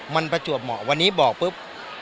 มันประจวบเหมาะวันนี้บอกปุ๊บ